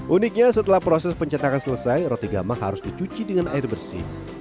uniknya setelah proses pencetakan selesai roti gamang harus dicuci dengan air bersih